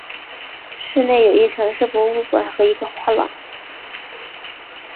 市内有一城市博物馆和一个画廊。